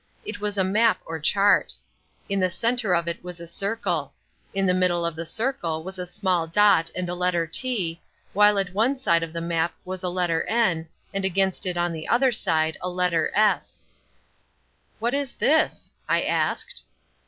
It was a map or chart. In the centre of it was a circle. In the middle of the circle was a small dot and a letter T, while at one side of the map was a letter N, and against it on the other side a letter S. "What is this?" I asked.